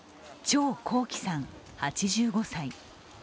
張行逵さん、８５歳。